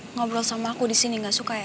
ngobrol sama aku disini gak suka ya